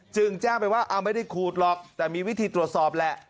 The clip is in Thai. จึงแจ้งไปว่าไม่ได้ขูดหรอกแต่มีวิธีตรวจสอบแหละ